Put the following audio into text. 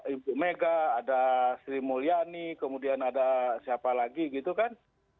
ibu mega ada sri mulyani kemudian ada siapa lagi gitu kan